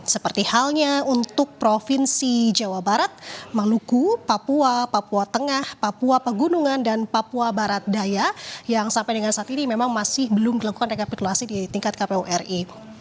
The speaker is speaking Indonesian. seperti halnya untuk provinsi jawa barat maluku papua papua tengah papua pegunungan dan papua barat daya yang sampai dengan saat ini memang masih belum dilakukan rekapitulasi di tingkat kpu ri